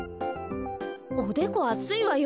おでこあついわよ。